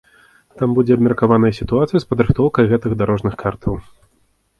Там будзе абмеркаваная сітуацыя з падрыхтоўкай гэтых дарожных картаў.